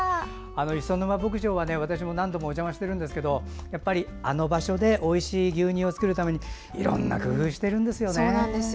磯沼牧場は私も何度もお邪魔しているんですけどやっぱり、あの場所でおいしい牛乳を作るためにいろんな工夫してるんですよね。